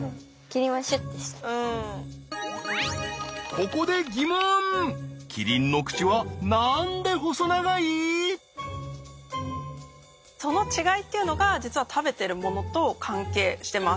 ここでその違いというのが実は食べてるものと関係してます。